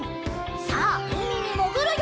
さあうみにもぐるよ！